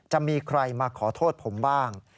จะมีใครมาขอโทษผมบ้าง